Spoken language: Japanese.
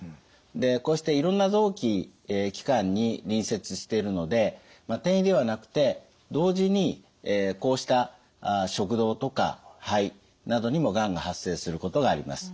でこうしていろんな臓器器官に隣接しているので転移ではなくて同時にこうした食道とか肺などにもがんが発生することがあります。